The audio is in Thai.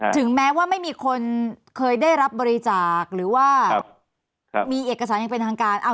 ถึงแม้ว่าไม่มีคนเคยได้รับบริจาคหรือว่ามีเอกสารอย่างเป็นทางการ